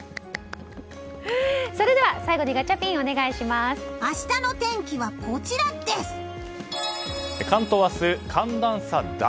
それでは最後にガチャピン明日の天気はこちらです！